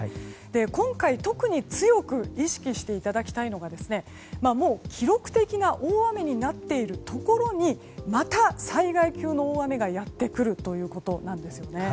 今回、特に強く意識していただきたいのがもう記録的な大雨になっているところにまた災害級の大雨がやってくるということです。